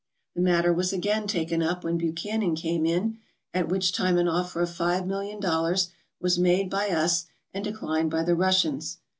The matter was again taken up when Buchanan came in, at which time an offer of five million dollars was made by us and declined by the Russians.